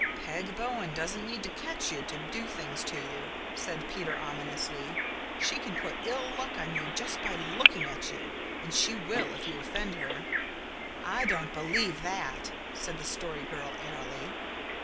"Peg Bowen doesn't need to catch you to do things to you," said Peter ominously. "She can put ill luck on you just by looking at you and she will if you offend her." "I don't believe that," said the Story Girl airily.